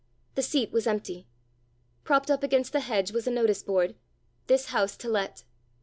The seat was empty. Propped up against the hedge was a notice board: "This House to Let."